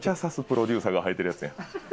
プロデューサーが履いてるやつやん。